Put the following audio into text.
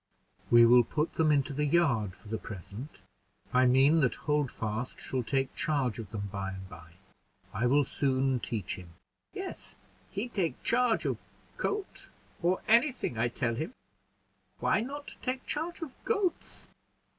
"We will put them into the yard for the present. I mean that Holdfast shall take charge of them by and by. I will soon teach him." "Yes, he take charge of coat, or any thing I tell him; why not take charge of goats.